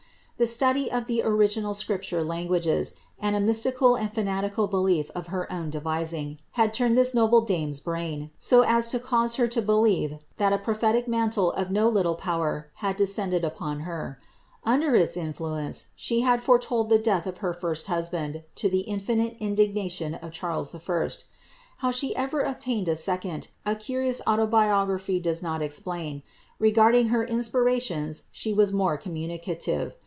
The study of the original scripture languages, and a mystical and fanatical belief of her own de VL<injf, had turned this noble dame''s brain, so as to cause her to believe thai a prophetic mantle of no little power had descended upon her. Under its iniluence, she had foretold the death of her first husband, to * Hardwicke Stale Papers, vol. ii. p. 14. ■ Causes Celebres, vol. ii., p. 204. 44 BSIfHIBTTA MAHIA. the infinite indig; nation of Charles V How she erer obtained a second, her curious autobiography does not explain ; regarding her inspirations she was more communicative.